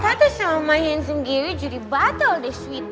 tata sama iyan sendiri jadi batal deh suit nya